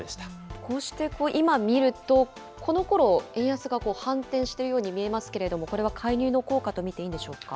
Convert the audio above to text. こうして今見ると、このころ円安が反転しているように見えますけれども、これは介入の効果と見ていいんでしょうか。